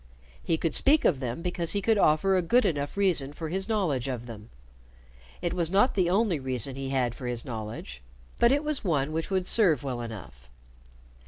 He could speak of them because he could offer a good enough reason for his knowledge of them. It was not the only reason he had for his knowledge, but it was one which would serve well enough.